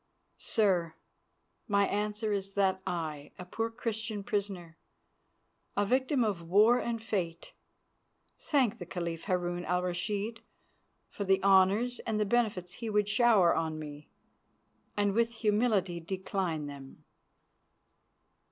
"Sir, my answer is that I, a poor Christian prisoner, a victim of war and fate, thank the Caliph Harun al Rashid for the honours and the benefits he would shower on me, and with humility decline them."